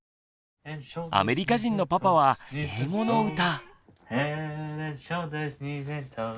アメリカ人のパパは英語の歌。